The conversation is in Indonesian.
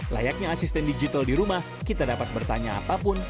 layaknya asisten digital di rumah kita dapat bertanya apapun